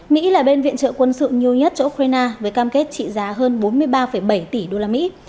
mỹ là bên viện trợ quân sự nhiều nhất cho ukraine với cam kết trị giá hơn bốn mươi ba bảy tỷ usd